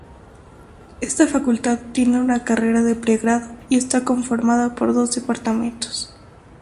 Esta facultad tiene una carrera de pregrado y está conformada por dos departamentos.